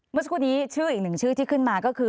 เมื่อสักครู่นี้ชื่ออีกหนึ่งชื่อที่ขึ้นมาก็คือ